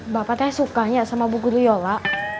bapak suka ya sama bu guri lola